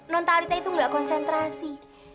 nontalita itu nggak konsentrasi